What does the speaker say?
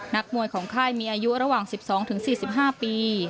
นักมวยของค่ายมีอายุระหว่าง๑๒๔๕ปี